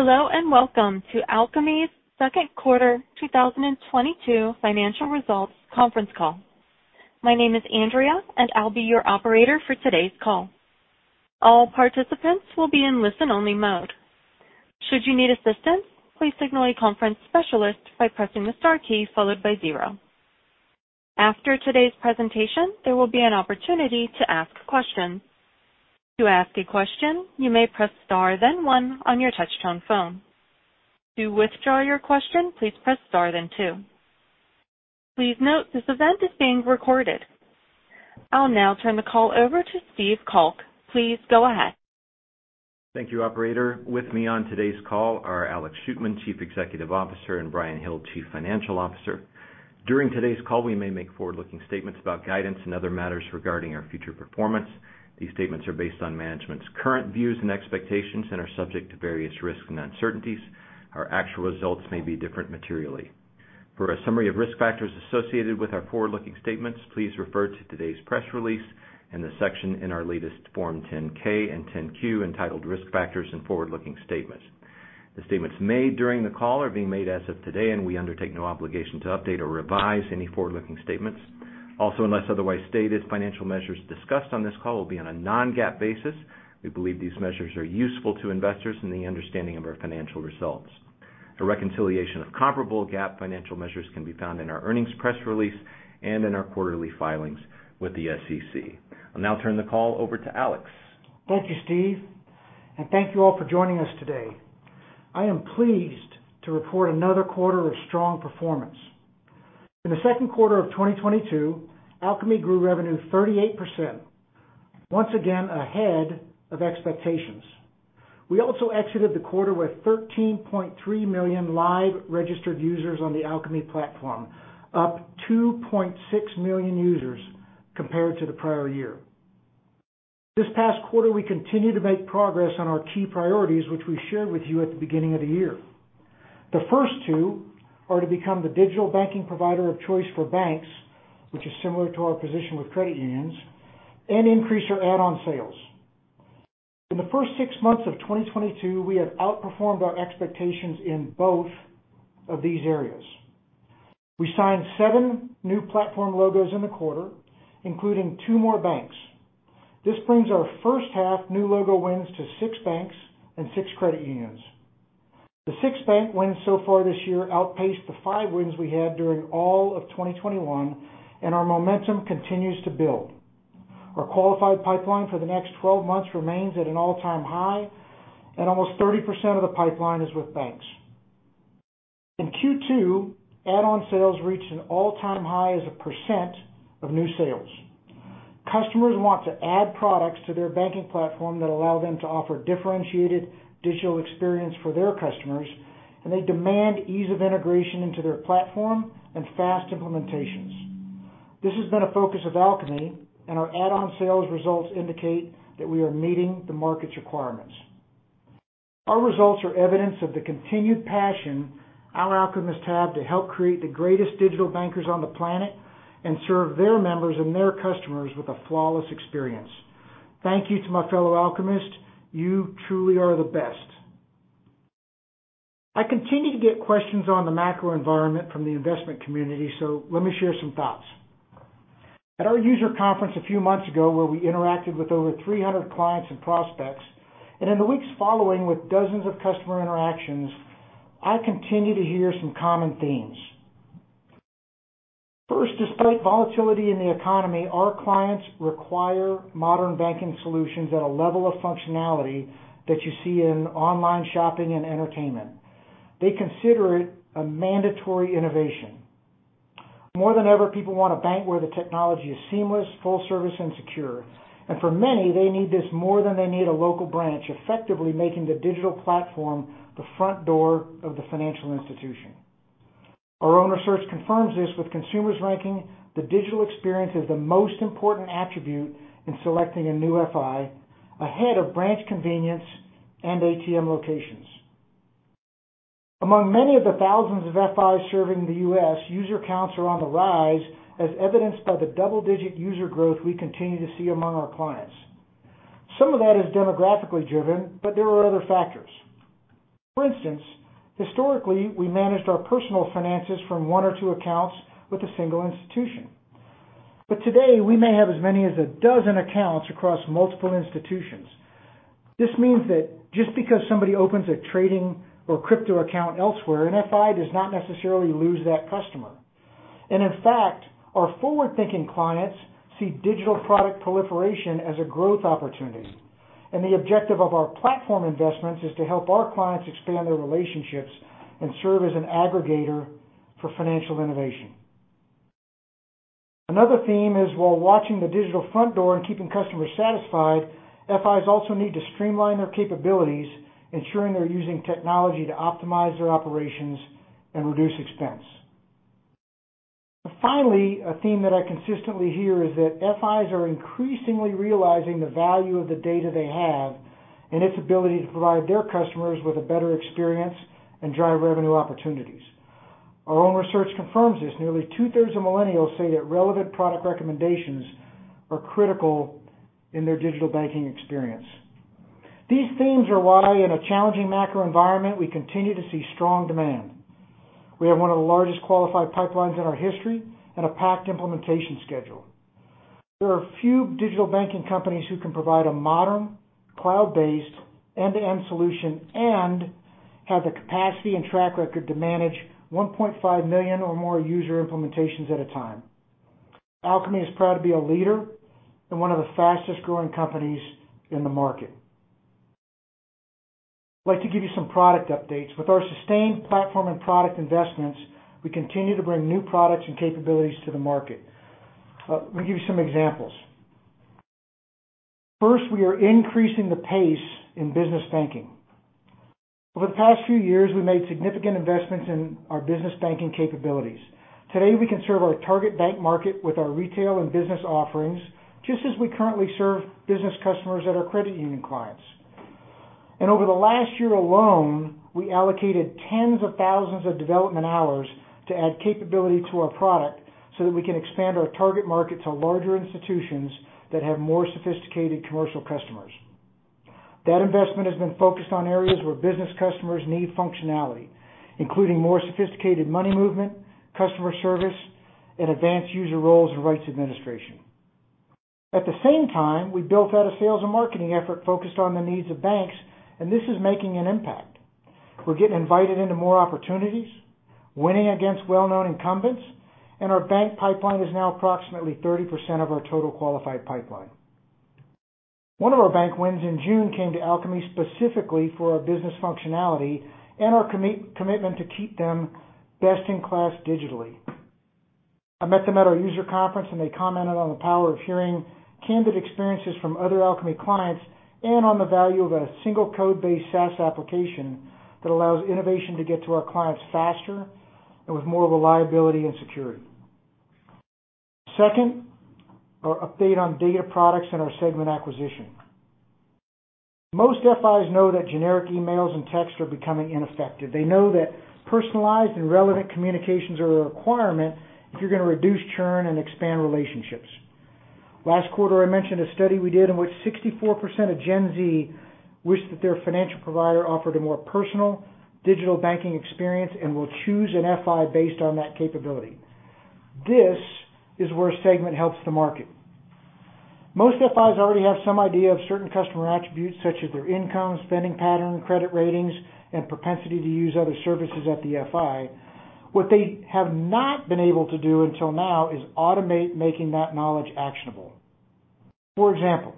Hello, and welcome to Alkami's Q2 2022 financial results conference call. My name is Andrea, and I'll be your operator for today's call. All participants will be in listen-only mode. Should you need assistance, please signal a conference specialist by pressing the star key followed by zero. After today's presentation, there will be an opportunity to ask questions. To ask a question, you may press Star then one on your touchtone phone. To withdraw your question, please press Star then two. Please note this event is being recorded. I'll now turn the call over to Steve Calk. Please go ahead. Thank you, operator. With me on today's call are Alex Shootman, Chief Executive Officer, and Bryan Hill, Chief Financial Officer. During today's call, we may make forward-looking statements about guidance and other matters regarding our future performance. These statements are based on management's current views and expectations and are subject to various risks and uncertainties. Our actual results may differ materially. For a summary of risk factors associated with our forward-looking statements, please refer to today's press release and the section in our latest Form 10-K and Form 10-Q entitled Risk Factors and Forward-Looking Statements. The statements made during the call are being made as of today, and we undertake no obligation to update or revise any forward-looking statements. Also, unless otherwise stated, financial measures discussed on this call will be on a non-GAAP basis. We believe these measures are useful to investors in the understanding of our financial results. A reconciliation of comparable GAAP financial measures can be found in our earnings press release and in our quarterly filings with the SEC. I'll now turn the call over to Alex. Thank you, Steve, and thank you all for joining us today. I am pleased to report another quarter of strong performance. In the Q2 of 2022, Alkami grew revenue 38%, once again ahead of expectations. We also exited the quarter with 13.3 million live registered users on the Alkami platform, up 2.6 million users compared to the prior year. This past quarter, we continued to make progress on our key priorities, which we shared with you at the beginning of the year. The first two are to become the digital banking provider of choice for banks, which is similar to our position with credit unions, and increase our add-on sales. In the first six months of 2022, we have outperformed our expectations in both of these areas. We signed 7 new platform logos in the quarter, including 2 more banks. This brings our first half new logo wins to 6 banks and 6 credit unions. The 6 bank wins so far this year outpaced the 5 wins we had during all of 2021, and our momentum continues to build. Our qualified pipeline for the next 12 months remains at an all-time high, and almost 30% of the pipeline is with banks. In Q2, add-on sales reached an all-time high as a % of new sales. Customers want to add products to their banking platform that allow them to offer differentiated digital experience for their customers, and they demand ease of integration into their platform and fast implementations. This has been a focus of Alkami, and our add-on sales results indicate that we are meeting the market's requirements. Our results are evidence of the continued passion our Alkamists have to help create the greatest digital bankers on the planet and serve their members and their customers with a flawless experience. Thank you to my fellow Alkamists. You truly are the best. I continue to get questions on the macro environment from the investment community, so let me share some thoughts. At our user conference a few months ago, where we interacted with over 300 clients and prospects, and in the weeks following with dozens of customer interactions, I continue to hear some common themes. First, despite volatility in the economy, our clients require modern banking solutions at a level of functionality that you see in online shopping and entertainment. They consider it a mandatory innovation. More than ever, people want a bank where the technology is seamless, full service and secure. For many, they need this more than they need a local branch, effectively making the digital platform the front door of the financial institution. Our own research confirms this with consumers ranking the digital experience as the most important attribute in selecting a new FI ahead of branch convenience and ATM locations. Among many of the thousands of FIs serving the U.S., user counts are on the rise as evidenced by the double-digit user growth we continue to see among our clients. Some of that is demographically driven, but there are other factors. For instance, historically, we managed our personal finances from one or two accounts with a single institution. Today, we may have as many as a dozen accounts across multiple institutions. This means that just because somebody opens a trading or crypto account elsewhere, an FI does not necessarily lose that customer. In fact, our forward-thinking clients see digital product proliferation as a growth opportunity. The objective of our platform investments is to help our clients expand their relationships and serve as an aggregator for financial innovation. Another theme is while watching the digital front door and keeping customers satisfied, FIs also need to streamline their capabilities, ensuring they're using technology to optimize their operations and reduce expense. Finally, a theme that I consistently hear is that FIs are increasingly realizing the value of the data they have and its ability to provide their customers with a better experience and drive revenue opportunities. Our own research confirms this. Nearly two-thirds of millennials say that relevant product recommendations are critical in their digital banking experience. These themes are why, in a challenging macro environment, we continue to see strong demand. We have one of the largest qualified pipelines in our history and a packed implementation schedule. There are few digital banking companies who can provide a modern cloud-based end-to-end solution and have the capacity and track record to manage 1.5 million or more user implementations at a time. Alkami is proud to be a leader and one of the fastest-growing companies in the market. I'd like to give you some product updates. With our sustained platform and product investments, we continue to bring new products and capabilities to the market. Let me give you some examples. First, we are increasing the pace in business banking. Over the past few years, we made significant investments in our business banking capabilities. Today, we can serve our target bank market with our retail and business offerings, just as we currently serve business customers at our credit union clients. Over the last year alone, we allocated tens of thousands of development hours to add capability to our product so that we can expand our target market to larger institutions that have more sophisticated commercial customers. That investment has been focused on areas where business customers need functionality, including more sophisticated money movement, customer service, and advanced user roles and rights administration. At the same time, we built out a sales and marketing effort focused on the needs of banks, and this is making an impact. We're getting invited into more opportunities, winning against well-known incumbents, and our bank pipeline is now approximately 30% of our total qualified pipeline. One of our bank wins in June came to Alkami specifically for our business functionality and our commitment to keep them best in class digitally. I met them at our user conference, and they commented on the power of hearing candid experiences from other Alkami clients and on the value of a single code-based SaaS application that allows innovation to get to our clients faster and with more reliability and security. Second, our update on data products and our Segmint acquisition. Most FIs know that generic emails and texts are becoming ineffective. They know that personalized and relevant communications are a requirement if you're going to reduce churn and expand relationships. Last quarter, I mentioned a study we did in which 64% of Gen Z wished that their financial provider offered a more personal digital banking experience and will choose an FI based on that capability. This is where Segmint helps the market. Most FIs already have some idea of certain customer attributes such as their income, spending pattern, credit ratings, and propensity to use other services at the FI. What they have not been able to do until now is automate making that knowledge actionable. For example,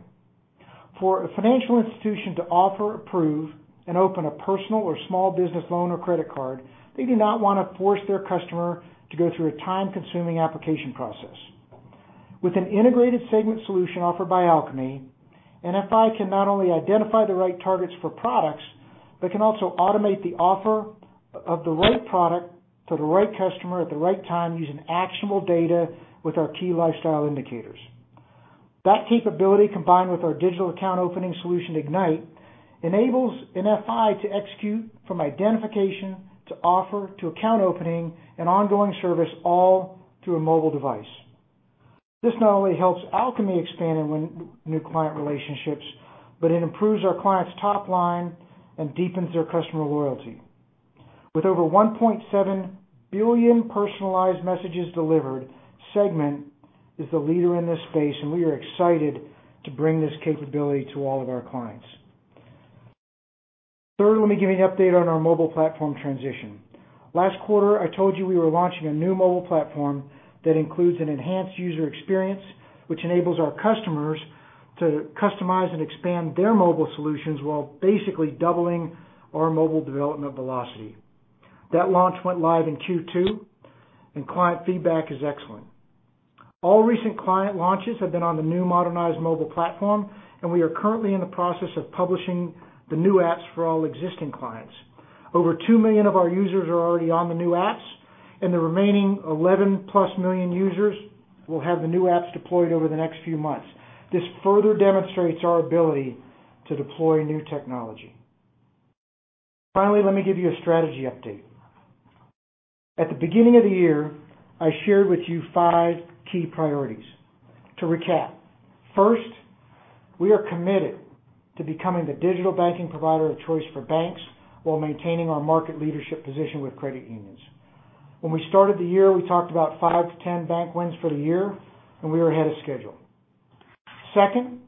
for a financial institution to offer, approve, and open a personal or small business loan or credit card, they do not want to force their customer to go through a time-consuming application process. With an integrated Segmint solution offered by Alkami, an FI can not only identify the right targets for products but can also automate the offer of the right product to the right customer at the right time using actionable data with our Key Lifestyle Indicators. That capability, combined with our digital account opening solution, Ignite, enables an FI to execute from identification to offer to account opening an ongoing service all through a mobile device. This not only helps Alkami expand and win new client relationships, but it improves our clients' top line and deepens their customer loyalty. With over 1.7 billion personalized messages delivered, Segmint is the leader in this space, and we are excited to bring this capability to all of our clients. Third, let me give you an update on our mobile platform transition. Last quarter, I told you we were launching a new mobile platform that includes an enhanced user experience, which enables our customers to customize and expand their mobile solutions while basically doubling our mobile development velocity. That launch went live in Q2, and client feedback is excellent. All recent client launches have been on the new modernized mobile platform, and we are currently in the process of publishing the new apps for all existing clients. Over 2 million of our users are already on the new apps, and the remaining 11-plus million users will have the new apps deployed over the next few months. This further demonstrates our ability to deploy new technology. Finally, let me give you a strategy update. At the beginning of the year, I shared with you 5 key priorities. To recap, first, we are committed to becoming the digital banking provider of choice for banks while maintaining our market leadership position with credit unions. When we started the year, we talked about 5-10 bank wins for the year, and we were ahead of schedule. Second,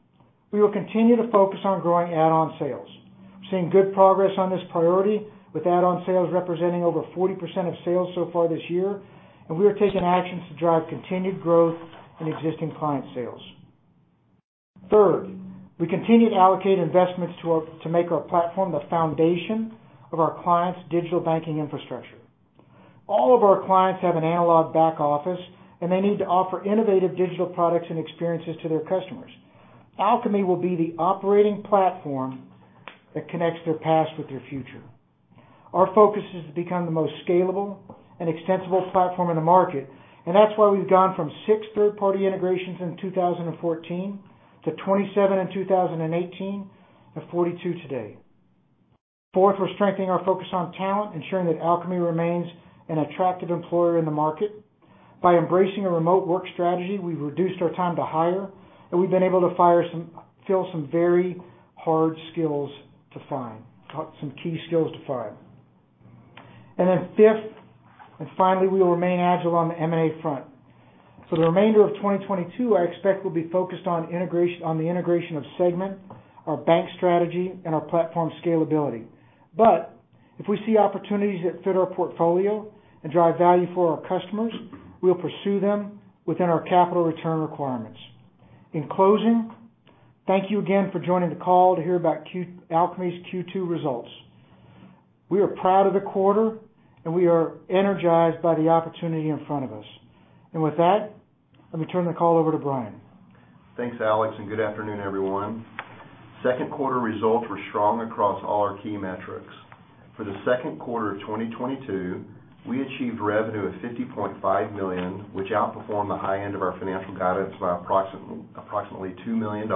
we will continue to focus on growing add-on sales. We're seeing good progress on this priority, with add-on sales representing over 40% of sales so far this year, and we are taking actions to drive continued growth in existing client sales. Third, we continue to allocate investments to make our platform the foundation of our clients' digital banking infrastructure. All of our clients have an analog back office, and they need to offer innovative digital products and experiences to their customers. Alkami will be the operating platform that connects their past with their future. Our focus is to become the most scalable and extensible platform in the market, and that's why we've gone from 6 third-party integrations in 2014 to 27 in 2018 to 42 today. Fourth, we're strengthening our focus on talent, ensuring that Alkami remains an attractive employer in the market. By embracing a remote work strategy, we've reduced our time to hire, and we've been able to fill some very hard skills to find, some key skills to find. Then fifth, and finally, we will remain agile on the M&A front. For the remainder of 2022, I expect we'll be focused on the integration of Segmint, our bank strategy, and our platform scalability. If we see opportunities that fit our portfolio and drive value for our customers, we'll pursue them within our capital return requirements. In closing, thank you again for joining the call to hear about Alkami's Q2 results. We are proud of the quarter, and we are energized by the opportunity in front of us. With that, let me turn the call over to Bryan. Thanks, Alex, and good afternoon, everyone. Second quarter results were strong across all our key metrics. For the Q2 of 2022, we achieved revenue of $50.5 million, which outperformed the high end of our financial guidance by approximately $2 million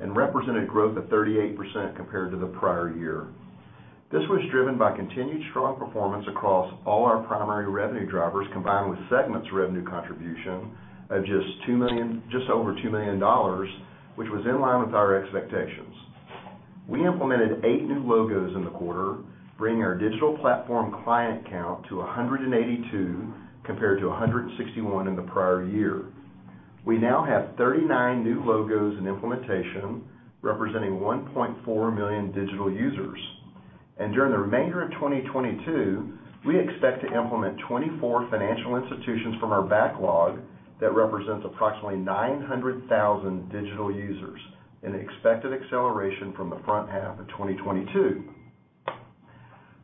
and represented growth of 38% compared to the prior year. This was driven by continued strong performance across all our primary revenue drivers, combined with segments revenue contribution of just over $2 million, which was in line with our expectations. We implemented 8 new logos in the quarter, bringing our digital platform client count to 182, compared to 161 in the prior year. We now have 39 new logos in implementation, representing 1.4 million digital users. During the remainder of 2022, we expect to implement 24 financial institutions from our backlog that represents approximately 900,000 digital users, an expected acceleration from the first half of 2022.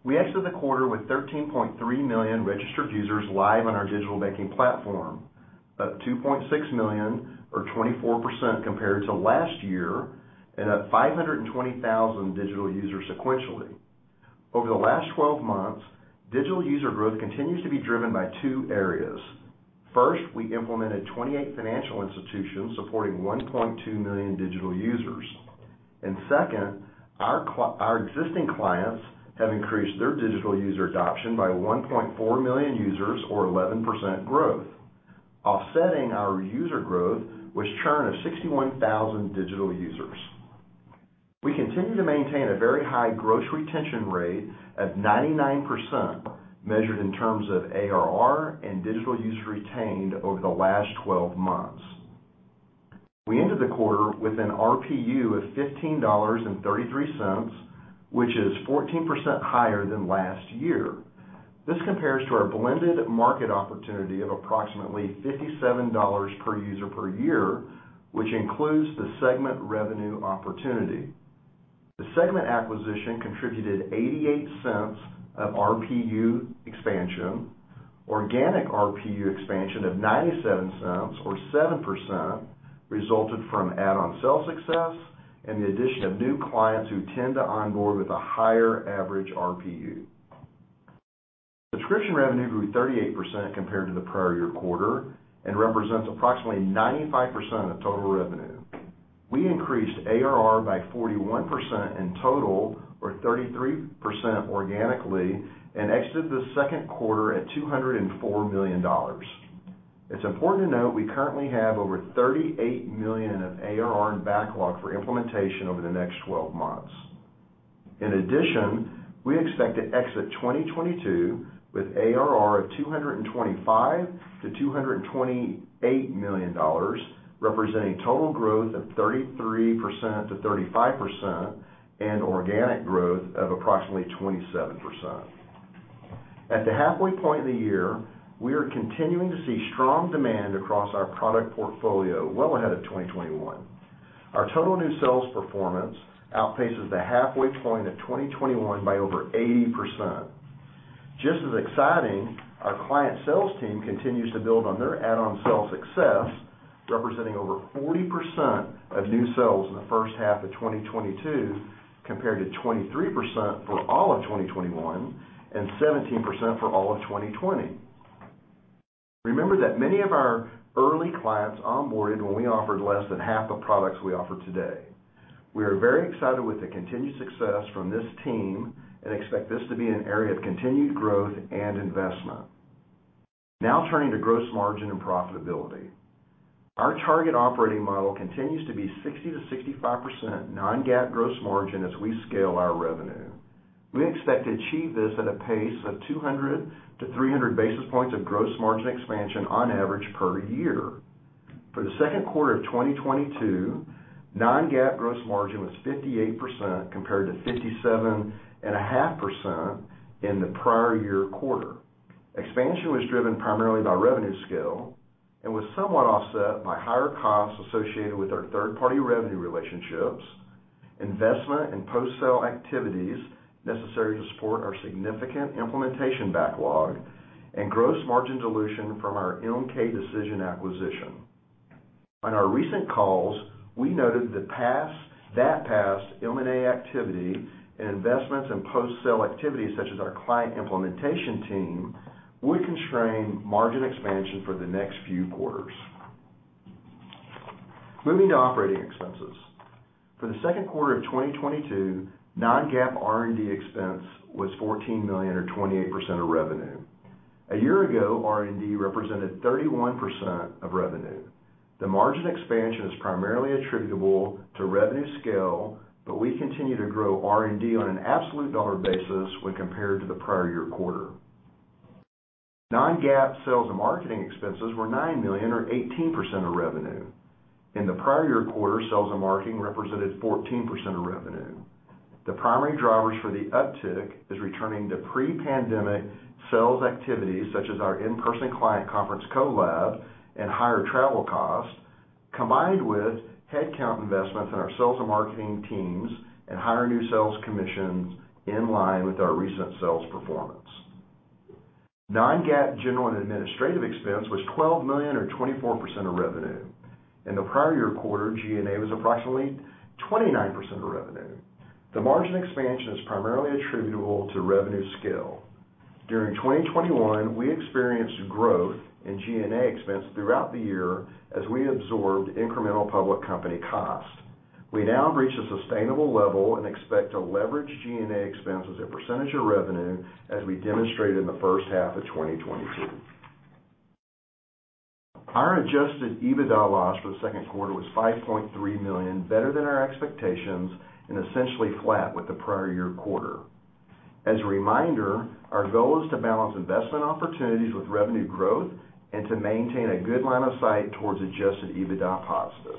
We exited the quarter with 13.3 million registered users live on our digital banking platform, up 2.6 million, or 24% compared to last year, and up 520,000 digital users sequentially. Over the last 12 months, digital user growth continues to be driven by two areas. First, we implemented 28 financial institutions supporting 1.2 million digital users. Second, our existing clients have increased their digital user adoption by 1.4 million users or 11% growth. Offsetting our user growth was churn of 61,000 digital users. We continue to maintain a very high gross retention rate of 99%, measured in terms of ARR and digital users retained over the last 12 months. We ended the quarter with an RPU of $15.33, which is 14% higher than last year. This compares to our blended market opportunity of approximately $57 per user per year, which includes the Segmint revenue opportunity. The Segmint acquisition contributed $0.88 of RPU expansion. Organic RPU expansion of $0.97 or 7% resulted from add-on sale success and the addition of new clients who tend to onboard with a higher average RPU. Subscription revenue grew 38% compared to the prior year quarter and represents approximately 95% of total revenue. We increased ARR by 41% in total or 33% organically and exited the Q2 at $204 million. It's important to note we currently have over $38 million of ARR in backlog for implementation over the next 12 months. In addition, we expect to exit 2022 with ARR of $225 million-$228 million, representing total growth of 33%-35% and organic growth of approximately 27%. At the halfway point of the year, we are continuing to see strong demand across our product portfolio well ahead of 2021. Our total new sales performance outpaces the halfway point of 2021 by over 80%. Just as exciting, our client sales team continues to build on their add-on sales success, representing over 40% of new sales in the first half of 2022, compared to 23% for all of 2021 and 17% for all of 2020. Remember that many of our early clients onboarded when we offered less than half the products we offer today. We are very excited with the continued success from this team and expect this to be an area of continued growth and investment. Now turning to gross margin and profitability. Our target operating model continues to be 60%-65% non-GAAP gross margin as we scale our revenue. We expect to achieve this at a pace of 200-300 basis points of gross margin expansion on average per year. For the Q2 of 2022, non-GAAP gross margin was 58% compared to 57.5% in the prior year quarter. Expansion was driven primarily by revenue scale and was somewhat offset by higher costs associated with our third-party revenue relationships, investment in post-sale activities necessary to support our significant implementation backlog, and gross margin dilution from our MK Decision acquisition. On our recent calls, we noted that past M&A activity and investments in post-sale activities such as our client implementation team would constrain margin expansion for the next few quarters. Moving to operating expenses. For the Q2 of 2022, non-GAAP R&D expense was $14 million or 28% of revenue. A year ago, R&D represented 31% of revenue. The margin expansion is primarily attributable to revenue scale, but we continue to grow R&D on an absolute dollar basis when compared to the prior year quarter. Non-GAAP sales and marketing expenses were $9 million or 18% of revenue. In the prior year quarter, sales and marketing represented 14% of revenue. The primary drivers for the uptick is returning to pre-pandemic sales activities, such as our in-person client conference Co:lab and higher travel costs, combined with headcount investments in our sales and marketing teams and higher new sales commissions in line with our recent sales performance. Non-GAAP general and administrative expense was $12 million or 24% of revenue. In the prior year quarter, G&A was approximately 29% of revenue. The margin expansion is primarily attributable to revenue scale. During 2021, we experienced growth in G&A expense throughout the year as we absorbed incremental public company costs. We now have reached a sustainable level and expect to leverage G&A expenses and percentage of revenue as we demonstrated in the first half of 2022. Our adjusted EBITDA loss for the Q2 was $5.3 million, better than our expectations and essentially flat with the prior year quarter. As a reminder, our goal is to balance investment opportunities with revenue growth and to maintain a good line of sight towards adjusted EBITDA positive,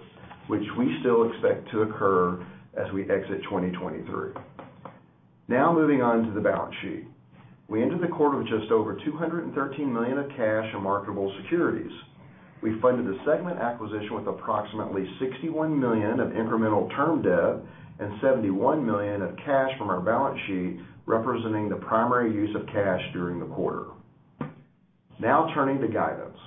which we still expect to occur as we exit 2023. Now moving on to the balance sheet. We ended the quarter with just over $213 million of cash and marketable securities. We funded the Segmint acquisition with approximately $61 million of incremental term debt and $71 million of cash from our balance sheet, representing the primary use of cash during the quarter. Now turning to guidance.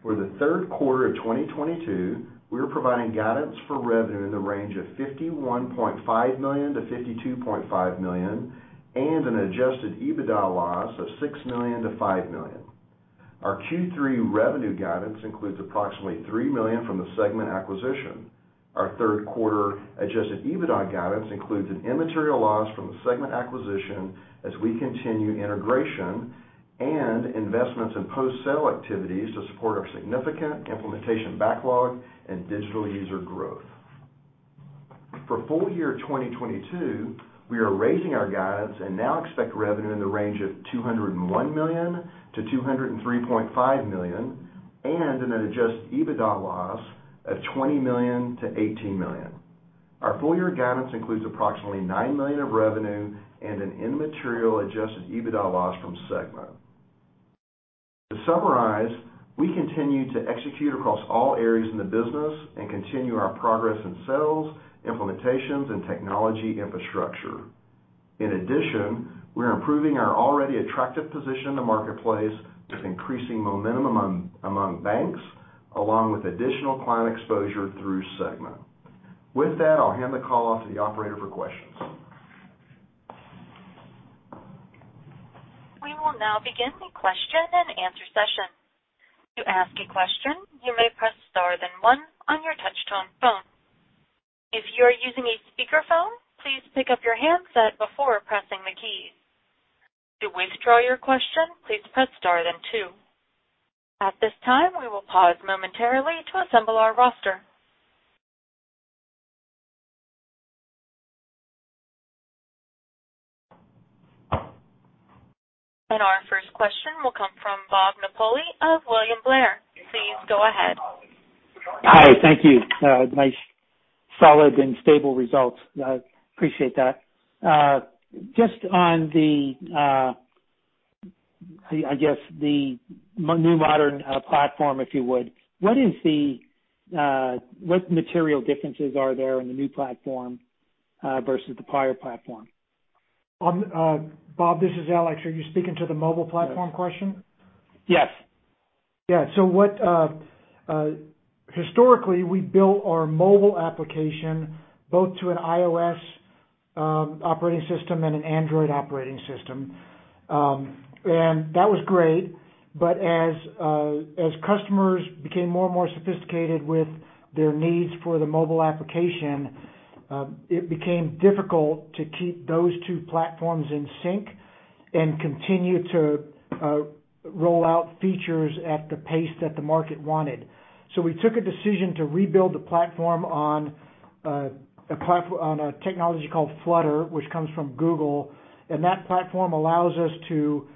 For the Q3 of 2022, we are providing guidance for revenue in the range of $51.5 million-$52.5 million and an adjusted EBITDA loss of $6 million-$5 million. Our Q3 revenue guidance includes approximately $3 million from the Segmint acquisition. Our Q3 adjusted EBITDA guidance includes an immaterial loss from the Segmint acquisition as we continue integration and investments in post-sale activities to support our significant implementation backlog and digital user growth. For full year 2022, we are raising our guidance and now expect revenue in the range of $201 million-$203.5 million and an adjusted EBITDA loss of $20 million-$18 million. Our full year guidance includes approximately $9 million of revenue and an immaterial adjusted EBITDA loss from Segmint. To summarize, we continue to execute across all areas in the business and continue our progress in sales, implementations, and technology infrastructure. In addition, we are improving our already attractive position in the marketplace with increasing momentum among banks along with additional client exposure through Segmint. With that, I'll hand the call off to the operator for questions. We will now begin the question and answer session. To ask a question, you may press Star then One on your touch tone phone. If you are using a speakerphone, please pick up your handset before pressing the keys. To withdraw your question, please press Star then Two. At this time, we will pause momentarily to assemble our roster. Our first question will come from Bob Napoli of William Blair. Please go ahead. Hi. Thank you. Nice, solid and stable results. Appreciate that. Just on the new modern platform, if you would. What material differences are there in the new platform versus the prior platform? Bob, this is Alex. Are you speaking to the mobile platform question? Yes. Historically, we built our mobile application both to an iOS operating system and an Android operating system. That was great. As customers became more and more sophisticated with their needs for the mobile application, it became difficult to keep those two platforms in sync and continue to roll out features at the pace that the market wanted. We took a decision to rebuild the platform on a technology called Flutter, which comes from Google. That platform allows us to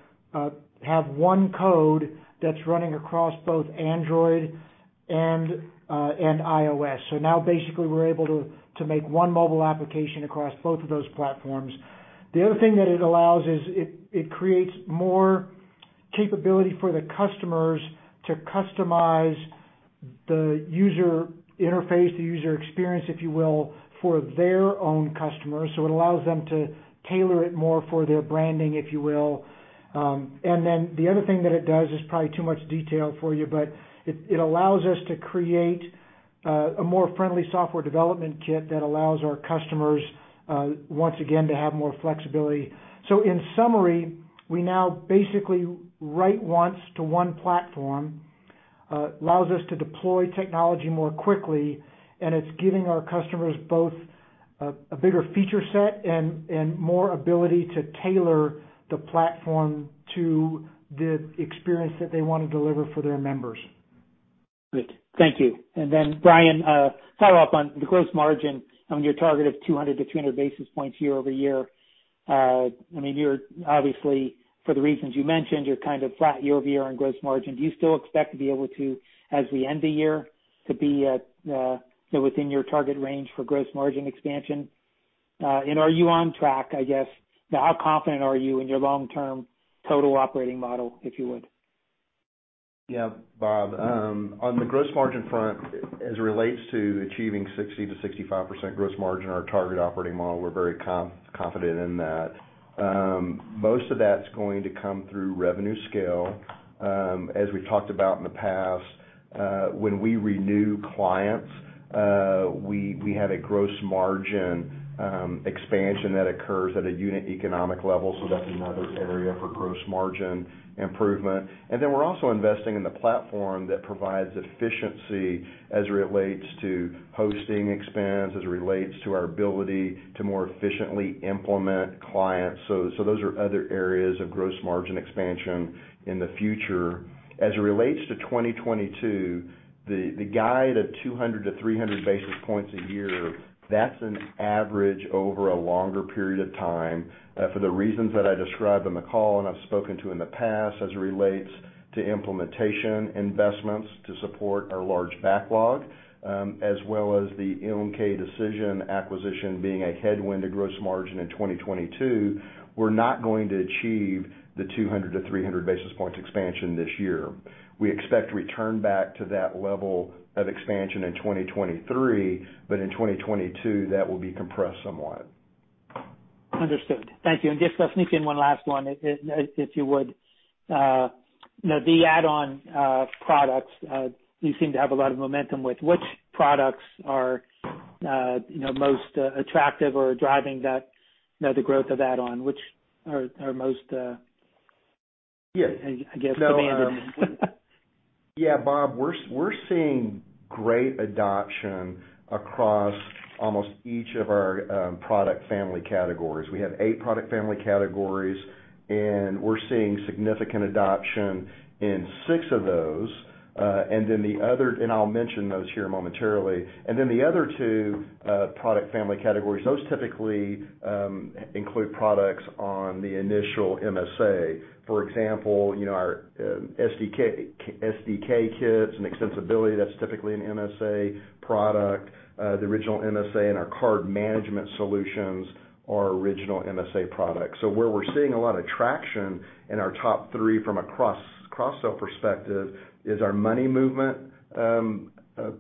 have one code that's running across both Android and iOS. Now basically, we're able to make one mobile application across both of those platforms. The other thing that it allows is it creates more capability for the customers to customize the user interface, the user experience, if you will, for their own customers. It allows them to tailor it more for their branding, if you will. The other thing that it does is probably too much detail for you, but it allows us to create a more friendly software development kit that allows our customers, once again, to have more flexibility. In summary. We now basically write once to one platform, allows us to deploy technology more quickly, and it's giving our customers both a bigger feature set and more ability to tailor the platform to the experience that they want to deliver for their members. Great. Thank you. Brian, follow-up on the gross margin on your target of 200-300 basis points year-over-year. I mean, you're obviously, for the reasons you mentioned, you're kind of flat year-over-year on gross margin. Do you still expect to be able to, as we end the year, to be at, you know, within your target range for gross margin expansion? And are you on track, I guess? How confident are you in your long-term total operating model, if you would? Yeah, Bob. On the gross margin front, as it relates to achieving 60%-65% gross margin, our target operating model, we're very confident in that. Most of that's going to come through revenue scale. As we've talked about in the past, when we renew clients, we have a gross margin expansion that occurs at a unit economic level, so that's another area for gross margin improvement. We're also investing in the platform that provides efficiency as it relates to hosting expense, as it relates to our ability to more efficiently implement clients. Those are other areas of gross margin expansion in the future. As it relates to 2022, the guide of 200-300 basis points a year, that's an average over a longer period of time. For the reasons that I described in the call and I've spoken to in the past as it relates to implementation investments to support our large backlog, as well as the MK Decision acquisition being a headwind to gross margin in 2022, we're not going to achieve the 200-300 basis points expansion this year. We expect to return back to that level of expansion in 2023, but in 2022, that will be compressed somewhat. Understood. Thank you. Just sneak in one last one, if you would. You know, the add-on products. You seem to have a lot of momentum with which products are, you know, most attractive or driving that, you know, the growth of add-on, which are most Yeah. I guess demanded. Yeah, Bob, we're seeing great adoption across almost each of our product family categories. We have 8 product family categories, and we're seeing significant adoption in 6 of those. I'll mention those here momentarily. The other two product family categories typically include products on the initial MSA. For example, you know, our SDK kits and extensibility, that's typically an MSA product. The original MSA and our card management solutions are original MSA products. Where we're seeing a lot of traction in our top three from a cross-sell perspective is our money movement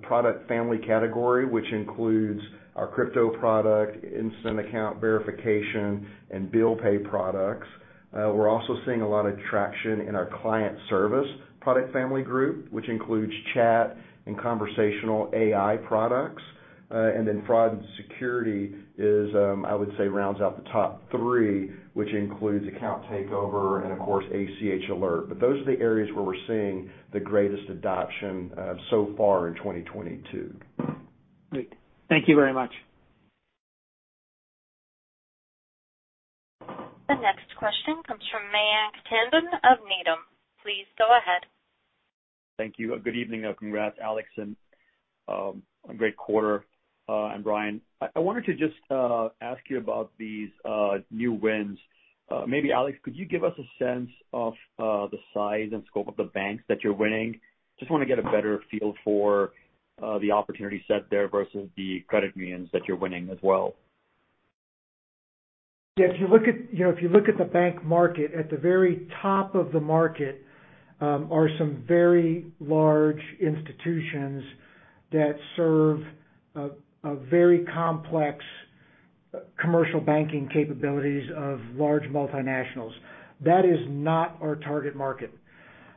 product family category, which includes our crypto product, instant account verification, and bill pay products. We're also seeing a lot of traction in our client service product family group, which includes chat and conversational AI products. Fraud and security is, I would say, rounds out the top three, which includes account takeover and of course, ACH Alert. Those are the areas where we're seeing the greatest adoption, so far in 2022. Great. Thank you very much. The next question comes from Mayank Tandon of Needham. Please go ahead. Thank you. Good evening, and congrats, Alex, and on great quarter, and Bryan. I wanted to just ask you about these new wins. Maybe Alex, could you give us a sense of the size and scope of the banks that you're winning? Just wanna get a better feel for the opportunity set there versus the credit unions that you're winning as well. Yeah. If you look at, you know, if you look at the bank market, at the very top of the market, are some very large institutions that serve a very complex commercial banking capabilities of large multinationals. That is not our target market.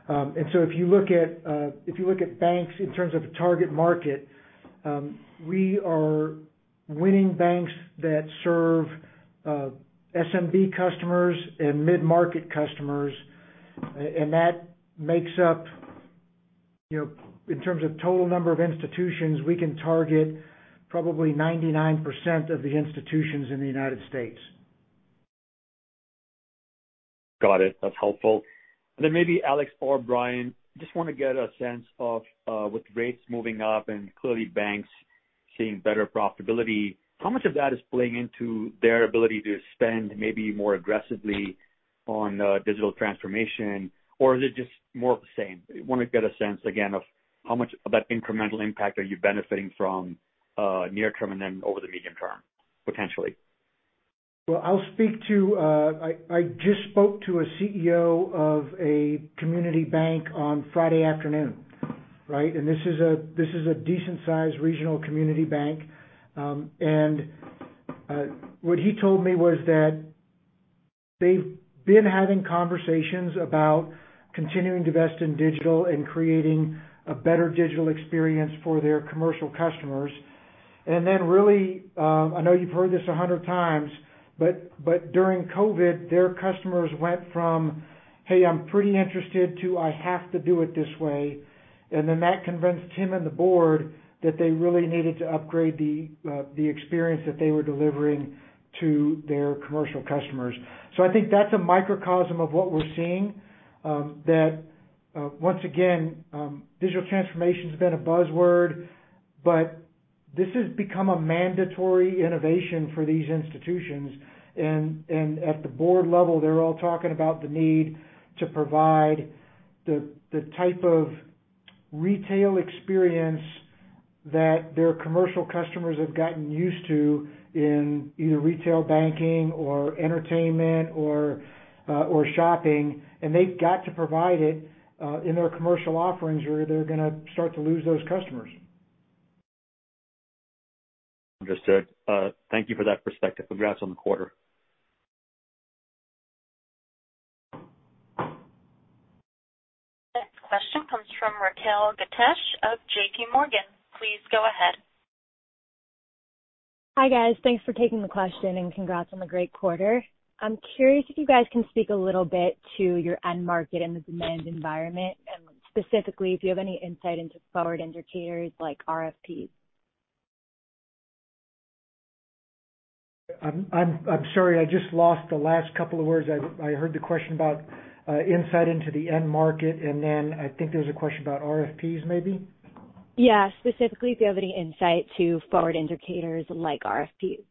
If you look at banks in terms of the target market, we are winning banks that serve SMB customers and mid-market customers, and that makes up, you know, in terms of total number of institutions, we can target probably 99% of the institutions in the United States. Got it. That's helpful. Maybe Alex or Brian, just wanna get a sense of, with rates moving up and clearly banks seeing better profitability, how much of that is playing into their ability to spend maybe more aggressively on, digital transformation? Or is it just more of the same? I wanna get a sense, again, of how much of that incremental impact are you benefiting from, near term and then over the medium term, potentially. Well, I just spoke to a CEO of a community bank on Friday afternoon, right? This is a decent-sized regional community bank. What he told me was that they've been having conversations about continuing to invest in digital and creating a better digital experience for their commercial customers. Then really, I know you've heard this 100 times, but during COVID, their customers went from, "Hey, I'm pretty interested," to, "I have to do it this way." Then that convinced Tim and the board that they really needed to upgrade the experience that they were delivering to their commercial customers. I think that's a microcosm of what we're seeing, that once again, digital transformation has been a buzzword, but this has become a mandatory innovation for these institutions. At the board level, they're all talking about the need to provide the type of retail experience that their commercial customers have gotten used to in either retail banking or entertainment or shopping. They've got to provide it in their commercial offerings or they're gonna start to lose those customers. Understood. Thank you for that perspective. Congrats on the quarter. Next question comes from Reginald Smith of J.P. Morgan. Please go ahead. Hi, guys. Thanks for taking the question, and congrats on the great quarter. I'm curious if you guys can speak a little bit to your end market and the demand environment, and specifically if you have any insight into forward indicators like RFPs. I'm sorry, I just lost the last couple of words. I heard the question about insight into the end market, and then I think there's a question about RFPs maybe. Yeah. Specifically, if you have any insight to forward indicators like RFPs.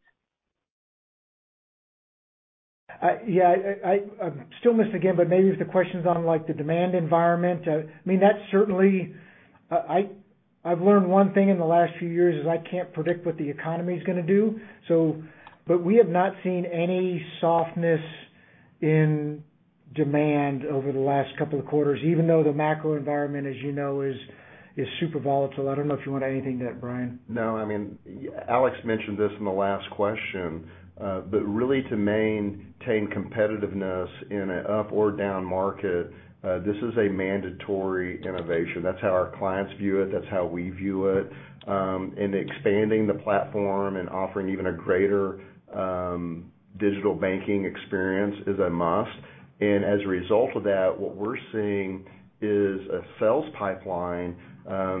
Yeah. I still missed again, but maybe if the question's on, like, the demand environment. I mean, that's certainly. I've learned one thing in the last few years, is I can't predict what the economy is gonna do. We have not seen any softness in demand over the last couple of quarters, even though the macro environment, as you know, is super volatile. I don't know if you want to add anything to that, Brian. No. I mean, Alex mentioned this in the last question, but really to maintain competitiveness in an up or down market, this is a mandatory innovation. That's how our clients view it, that's how we view it. Expanding the platform and offering even a greater digital banking experience is a must. As a result of that, what we're seeing is a sales pipeline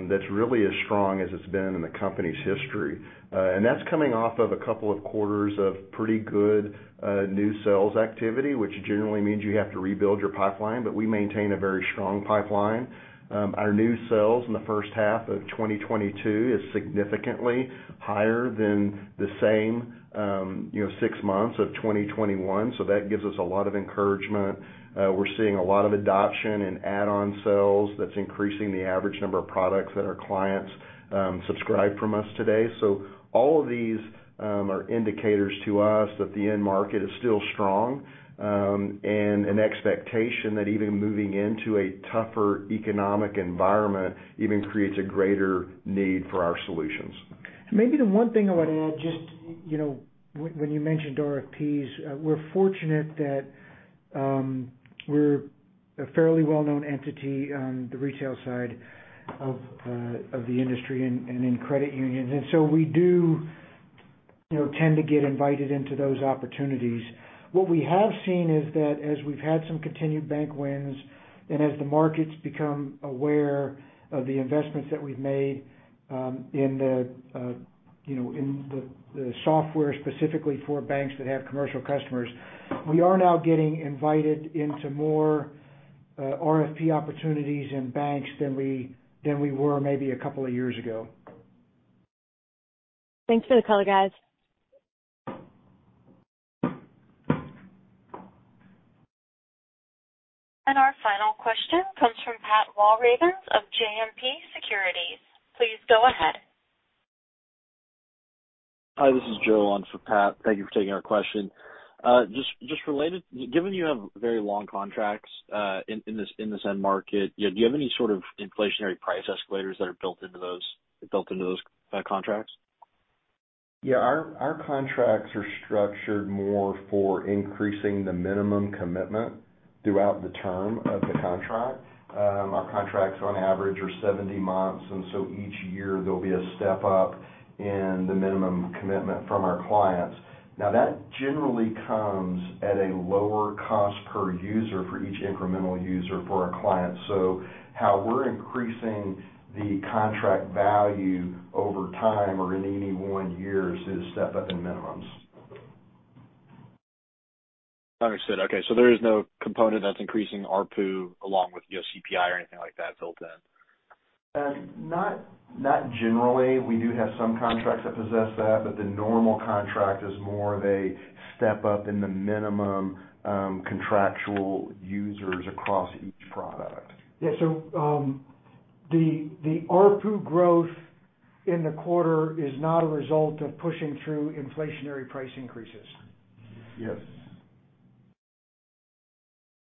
that's really as strong as it's been in the company's history. That's coming off of a couple of quarters of pretty good new sales activity, which generally means you have to rebuild your pipeline. We maintain a very strong pipeline. Our new sales in the first half of 2022 is significantly higher than the same, you know, six months of 2021. That gives us a lot of encouragement. We're seeing a lot of adoption and add-on sales that's increasing the average number of products that our clients subscribe from us today. All of these are indicators to us that the end market is still strong, and an expectation that even moving into a tougher economic environment even creates a greater need for our solutions. Maybe the one thing I would add, just, you know, when you mentioned RFPs, we're fortunate that we're a fairly well-known entity on the retail side of the industry and in credit unions. We do, you know, tend to get invited into those opportunities. What we have seen is that as we've had some continued bank wins and as the markets become aware of the investments that we've made in the software specifically for banks that have commercial customers, we are now getting invited into more RFP opportunities in banks than we were maybe a couple of years ago. Thanks for the color, guys. Our final question comes from Pat Walravens of JMP Securities. Please go ahead. Hi, this is Joe on for Pat. Thank you for taking our question. Just related, given you have very long contracts in this end market, do you have any sort of inflationary price escalators that are built into those contracts? Yeah. Our contracts are structured more for increasing the minimum commitment throughout the term of the contract. Our contracts on average are 70 months, and so each year there'll be a step up in the minimum commitment from our clients. Now, that generally comes at a lower cost per user for each incremental user for our clients. How we're increasing the contract value over time or in any one year is to step up in minimums. Understood. Okay. There is no component that's increasing ARPU along with, you know, CPI or anything like that built in. Not generally. We do have some contracts that possess that, but the normal contract is more of a step up in the minimum contractual users across each product. The ARPU growth in the quarter is not a result of pushing through inflationary price increases. Yes.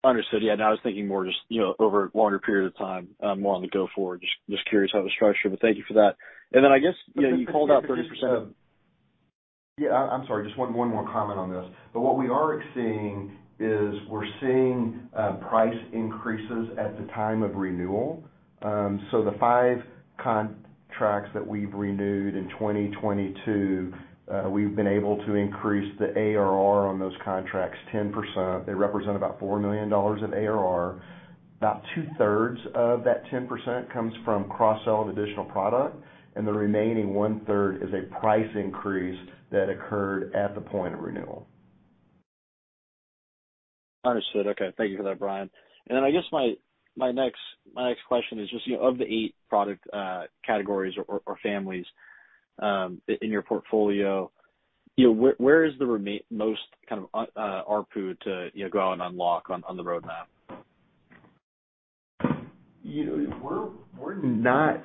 Understood. Yeah. No, I was thinking more just, you know, over a longer period of time, more on the go forward. Just curious how it was structured, but thank you for that. Then I guess, you know, you called out 30% of. Yeah, I'm sorry, just one more comment on this. What we are seeing is price increases at the time of renewal. The five contracts that we've renewed in 2022, we've been able to increase the ARR on those contracts 10%. They represent about $4 million of ARR. About two-thirds of that 10% comes from cross-sell of additional product, and the remaining one-third is a price increase that occurred at the point of renewal. Understood. Okay. Thank you for that, Brian. I guess my next question is just, you know, of the eight product categories or families in your portfolio, you know, where is the most kind of ARPU to, you know, go out and unlock on the roadmap? You know, we're not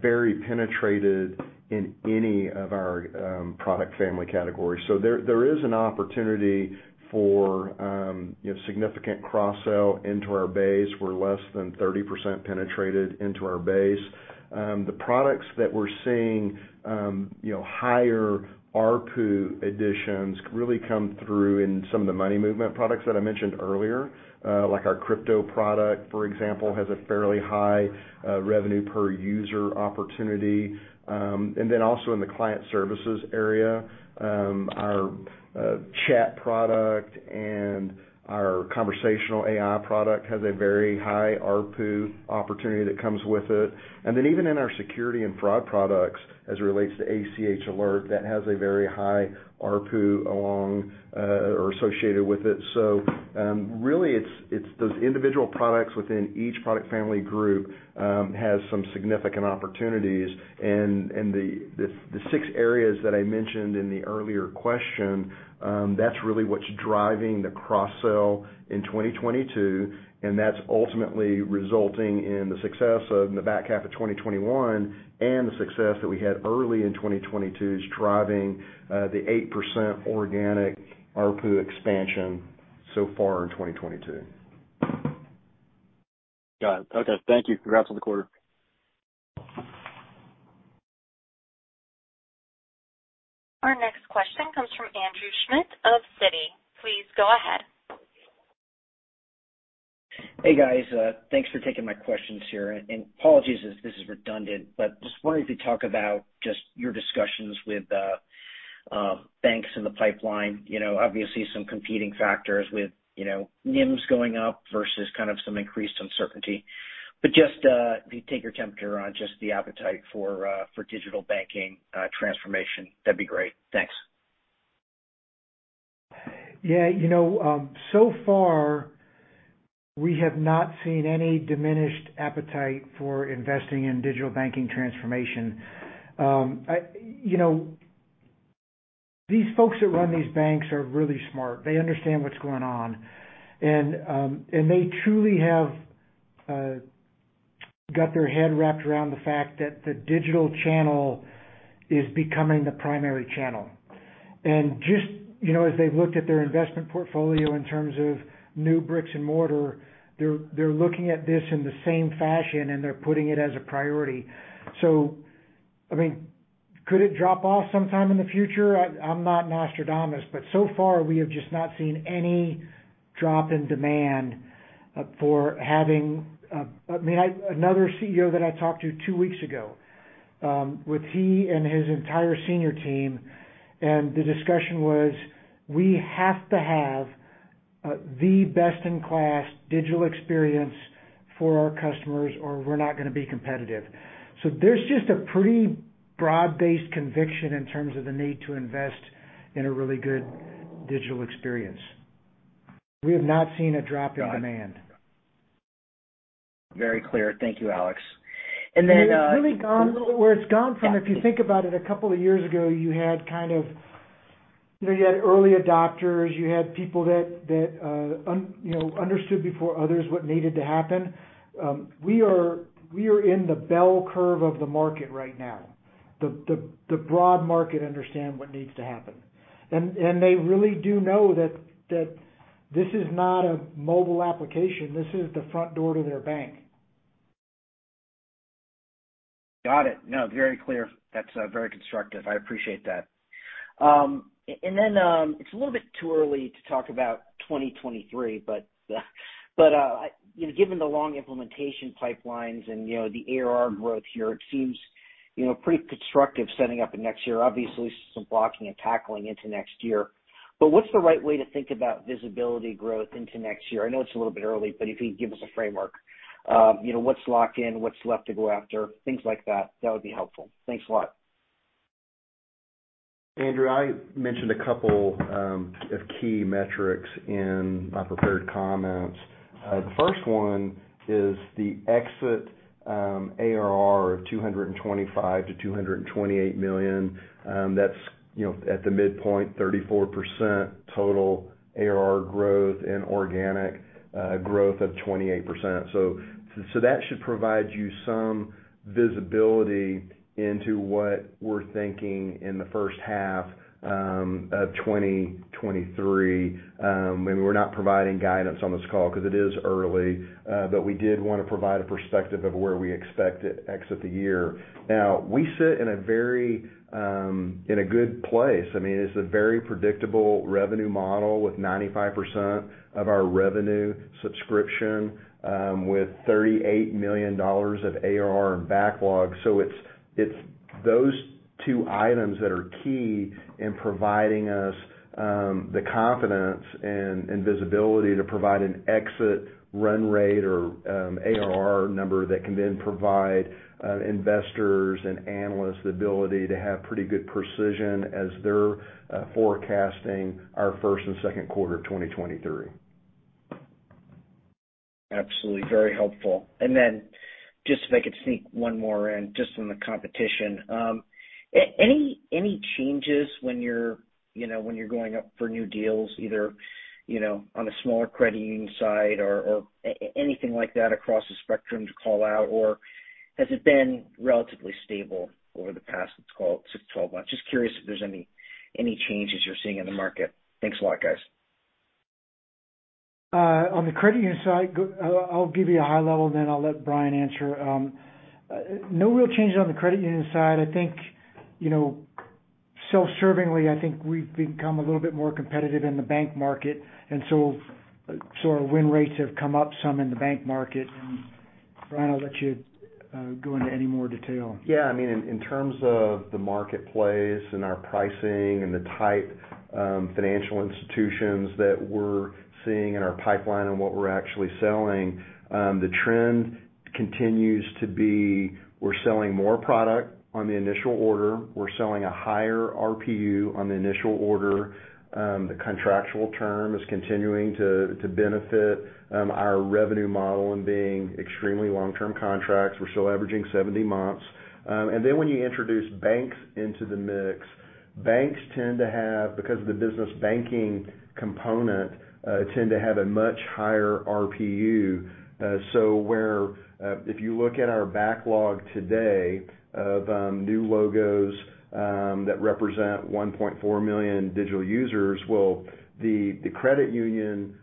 very penetrated in any of our product family categories. There is an opportunity for you know, significant cross-sell into our base. We're less than 30% penetrated into our base. The products that we're seeing you know, higher ARPU additions really come through in some of the money movement products that I mentioned earlier. Like our crypto product, for example, has a fairly high revenue per user opportunity. And then also in the client services area, our chat product and our conversational AI product has a very high ARPU opportunity that comes with it. Even in our security and fraud products, as it relates to ACH Alert, that has a very high ARPU along or associated with it. Really it's those individual products within each product family group has some significant opportunities. The six areas that I mentioned in the earlier question, that's really what's driving the cross-sell in 2022, and that's ultimately resulting in the success of the back half of 2021 and the success that we had early in 2022 is driving the 8% organic ARPU expansion so far in 2022. Got it. Okay. Thank you. Congrats on the quarter. Our next question comes from Andrew Schmidt of Citi. Please go ahead. Hey, guys. Thanks for taking my questions here. Apologies if this is redundant, but just wanted to talk about just your discussions with banks in the pipeline. You know, obviously some competing factors with, you know, NIMs going up versus kind of some increased uncertainty. But just to take your temperature on just the appetite for for digital banking transformation. That'd be great. Thanks. Yeah. You know, so far we have not seen any diminished appetite for investing in digital banking transformation. You know, these folks that run these banks are really smart. They understand what's going on. They truly have got their head wrapped around the fact that the digital channel is becoming the primary channel. Just, you know, as they've looked at their investment portfolio in terms of new bricks and mortar, they're looking at this in the same fashion and they're putting it as a priority. I mean, could it drop off sometime in the future? I'm not Nostradamus, but so far we have just not seen any drop in demand for having. I mean, another CEO that I talked to two weeks ago, with he and his entire senior team, and the discussion was, "We have to have the best in class digital experience for our customers or we're not gonna be competitive." There's just a pretty broad-based conviction in terms of the need to invest in a really good digital experience. We have not seen a drop in demand. Very clear. Thank you, Alex. It's really gone where it's gone from, if you think about it, a couple of years ago, you had kind of, you know, you had early adopters, you had people that that you know understood before others what needed to happen. We are in the bell curve of the market right now. The broad market understand what needs to happen. They really do know that that this is not a mobile application, this is the front door to their bank. Got it. No, very clear. That's very constructive. I appreciate that. And then, it's a little bit too early to talk about 2023, but you know, given the long implementation pipelines and, you know, the ARR growth here, it seems, you know, pretty constructive setting up in next year. Obviously, some blocking and tackling into next year. What's the right way to think about visibility growth into next year? I know it's a little bit early, but if you could give us a framework. You know, what's locked in? What's left to go after? Things like that would be helpful. Thanks a lot. Andrew, I mentioned a couple of key metrics in my prepared comments. The first one is the exit ARR of $225 million-$228 million, you know, at the midpoint, 34% total ARR growth and organic growth of 28%. That should provide you some visibility into what we're thinking in the first half of 2023. I mean, we're not providing guidance on this call because it is early, but we did want to provide a perspective of where we expect it to exit the year. Now, we sit in a very good place. I mean, it's a very predictable revenue model with 95% of our revenue subscription with $38 million of ARR and backlog. It's those two items that are key in providing us the confidence and visibility to provide an exit run rate or ARR number that can then provide investors and analysts the ability to have pretty good precision as they're forecasting our first and Q2 of 2023. Absolutely. Very helpful. Then just if I could sneak one more in just on the competition. Any changes when you're, you know, when you're going up for new deals, either, you know, on the smaller credit union side or anything like that across the spectrum to call out? Or has it been relatively stable over the past 6 to 12 months? Just curious if there's any changes you're seeing in the market. Thanks a lot, guys. On the credit union side, I'll give you a high level then I'll let Bryan answer. No real changes on the credit union side. I think, you know, self-servingly, I think we've become a little bit more competitive in the bank market, and so our win rates have come up some in the bank market. Bryan, I'll let you go into any more detail. Yeah. I mean, in terms of the marketplace and our pricing and the type financial institutions that we're seeing in our pipeline and what we're actually selling, the trend continues to be we're selling more product on the initial order. We're selling a higher RPU on the initial order. The contractual term is continuing to benefit our revenue model and being extremely long-term contracts. We're still averaging 70 months. Then when you introduce banks into the mix, banks tend to have, because of the business banking component, a much higher RPU. Where if you look at our backlog today of new logos that represent 1.4 million digital users, well, the credit union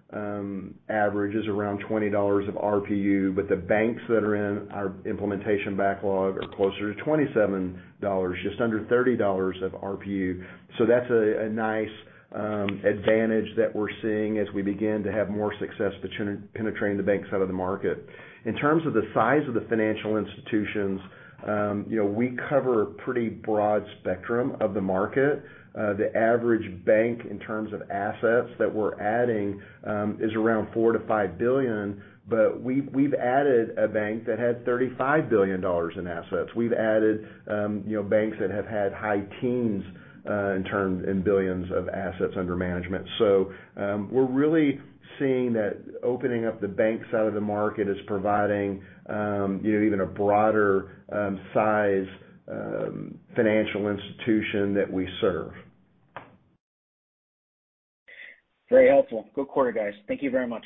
average is around $20 of RPU, but the banks that are in our implementation backlog are closer to $27, just under $30 of RPU. That's a nice advantage that we're seeing as we begin to have more success penetrating the bank side of the market. In terms of the size of the financial institutions, you know, we cover a pretty broad spectrum of the market. The average bank in terms of assets that we're adding is around $4-$5 billion, but we've added a bank that had $35 billion in assets. We've added, you know, banks that have had high teens in billions of assets under management. We're really seeing that opening up the bank side of the market is providing, you know, even a broader size financial institution that we serve. Very helpful. Good quarter, guys. Thank you very much.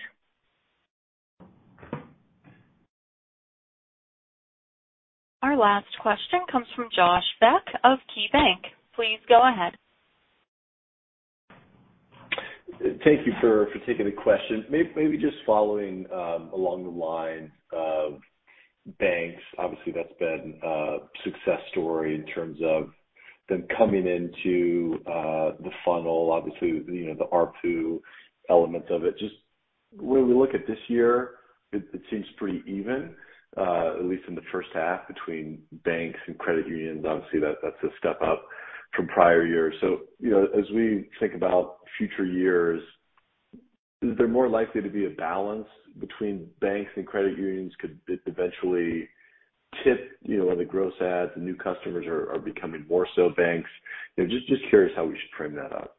Our last question comes from Josh Beck of KeyBanc. Please go ahead. Thank you for taking the question. Maybe just following along the line of banks, obviously, that's been a success story in terms of them coming into the funnel, obviously, you know, the RPU elements of it. Just when we look at this year, it seems pretty even at least in the first half between banks and credit unions. Obviously, that's a step up from prior years. You know, as we think about future years, is there more likely to be a balance between banks and credit unions? Could it eventually tip, you know, on the gross adds and new customers are becoming more so banks? You know, just curious how we should frame that up.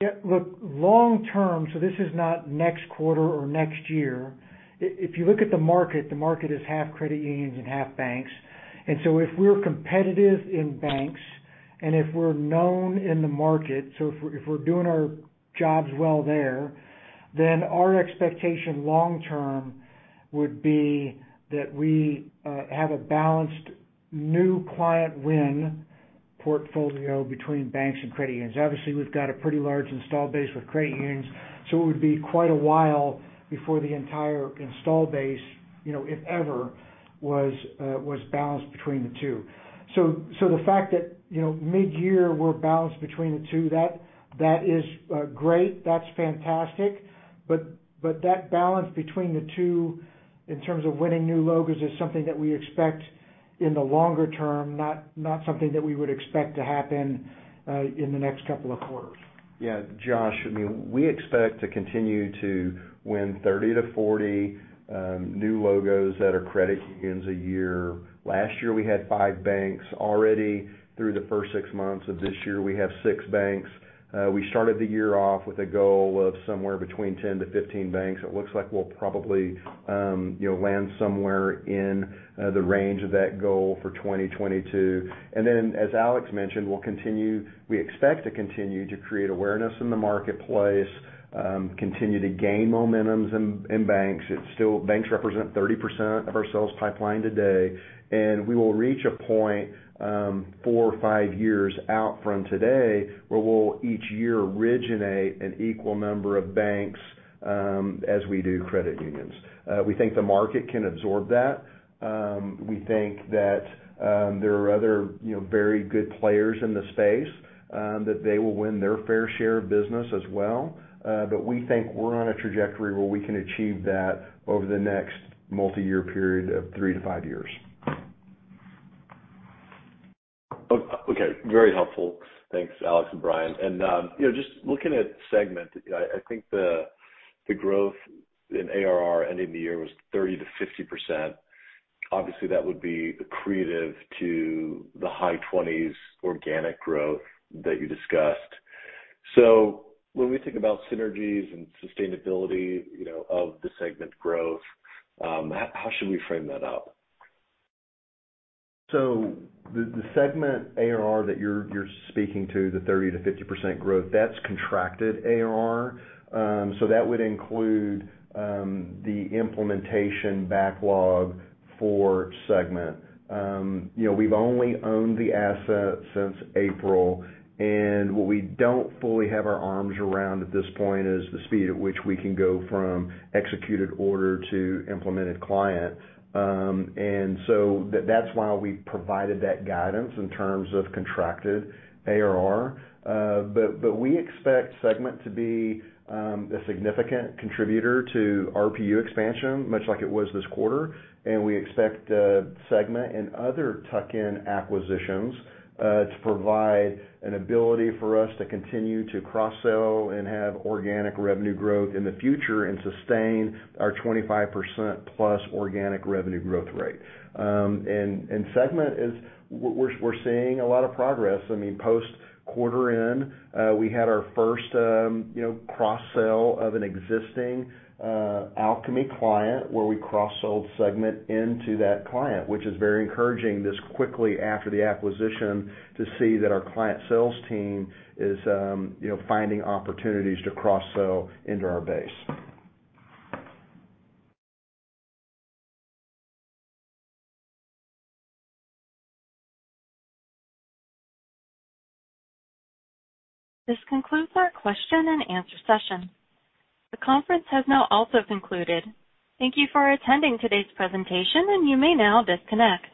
Yeah. Look, long term, this is not next quarter or next year. If you look at the market, the market is half credit unions and half banks. If we're competitive in banks and if we're known in the market, if we're doing our jobs well there, then our expectation long term would be that we have a balanced new client win portfolio between banks and credit unions. Obviously, we've got a pretty large install base with credit unions, so it would be quite a while before the entire install base, you know, if ever, was balanced between the two. The fact that, you know, mid-year we're balanced between the two, that is great. That's fantastic. That balance between the two in terms of winning new logos is something that we expect. In the longer term, not something that we would expect to happen in the next couple of quarters. Yeah, Josh, I mean, we expect to continue to win 30-40 new logos that are credit unions a year. Last year, we had 5 banks. Already through the first 6 months of this year, we have 6 banks. We started the year off with a goal of somewhere between 10-15 banks. It looks like we'll probably, you know, land somewhere in the range of that goal for 2022. As Alex mentioned, we expect to continue to create awareness in the marketplace, continue to gain momentum in banks. Banks represent 30% of our sales pipeline today. We will reach a point, 4 or 5 years out from today, where we'll each year originate an equal number of banks, as we do credit unions. We think the market can absorb that. We think that there are other, you know, very good players in the space that they will win their fair share of business as well. We think we're on a trajectory where we can achieve that over the next multiyear period of 3-5 years. Okay, very helpful. Thanks, Alex and Brian. You know, just looking at Segmint, I think the growth in ARR ending the year was 30%-50%. Obviously, that would be accretive to the high twenties organic growth that you discussed. When we think about synergies and sustainability, you know, of the Segmint growth, how should we frame that out? The Segmint ARR that you're speaking to, the 30%-50% growth, that's contracted ARR. That would include the implementation backlog for Segmint. You know, we've only owned the asset since April, and what we don't fully have our arms around at this point is the speed at which we can go from executed order to implemented client. That's why we provided that guidance in terms of contracted ARR. We expect Segmint to be a significant contributor to RPU expansion, much like it was this quarter, and we expect Segmint and other tuck-in acquisitions to provide an ability for us to continue to cross-sell and have organic revenue growth in the future and sustain our 25%+ organic revenue growth rate. We're seeing a lot of progress. I mean, post quarter end, we had our first, you know, cross-sell of an existing Alkami client where we cross-sold Segmint into that client, which is very encouraging this quickly after the acquisition to see that our client sales team is, you know, finding opportunities to cross-sell into our base. This concludes our question-and-answer session. The conference has now also concluded. Thank you for attending today's presentation, and you may now disconnect.